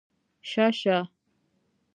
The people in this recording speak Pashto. شه شه